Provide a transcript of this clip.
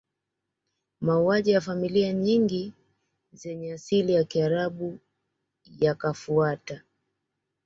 Mauaji ya familia nyingi zenye asili ya Kiarabu yakafuata